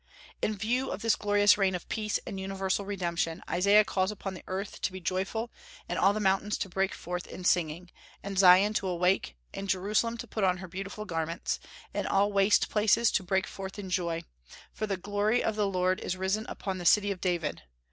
In view of this glorious reign of peace and universal redemption, Isaiah calls upon the earth to be joyful and all the mountains to break forth in singing, and Zion to awake, and Jerusalem to put on her beautiful garments, and all waste places to break forth in joy; for the glory of the Lord is risen upon the City of David.